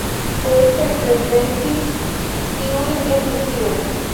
Poste li prezentis tiujn en Rusio.